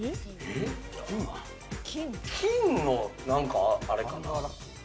金のなんか、あれかな？